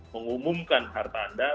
mengumumkan harta anda